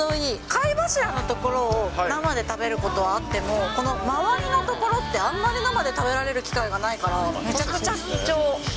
貝柱の所を生で食べることはあっても、この周りの所って、あんまり生で食べられる機会がないから、めちゃくちゃ貴重。